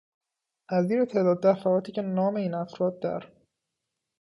نظیر تعداد دفعاتی که نام این افراد در